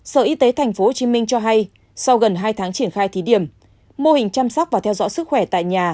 sở y tế tp hcm cho hay sau gần hai tháng triển khai thí điểm mô hình chăm sóc và theo dõi sức khỏe tại nhà